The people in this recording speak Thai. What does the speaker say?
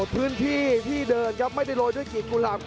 พื้นที่ที่เดินครับไม่ได้โรยด้วยกีบกุหลาบ